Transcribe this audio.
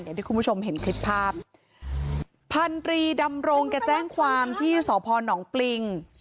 อย่างที่คุณผู้ชมเห็นคลิปภาพพันตรีดำรงแกแจ้งความที่สพนปริง